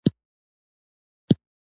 هغه د ښځې کالي یې واغوستل.